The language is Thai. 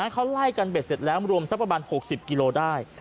เขาไล่กันเบ็ดเสร็จแล้วรวมสักประมาณ๖๐กิโลได้